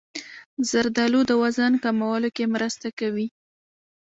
زردالو د وزن کمولو کې مرسته کوي.